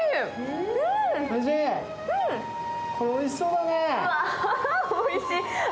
うわ、おいしい。